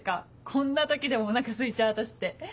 こんな時でもお腹すいちゃう私って。